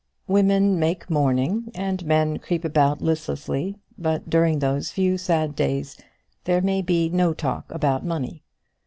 Women make mourning, and men creep about listlessly, but during those few sad days there may be no talk about money.